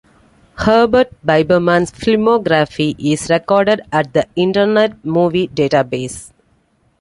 Herbert Biberman's filmography is recorded at the Internet Movie Database.